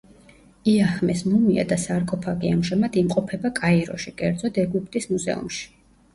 იაჰმეს მუმია და სარკოფაგი ამჟამად იმყოფება კაიროში, კერძოდ ეგვიპტის მუზეუმში.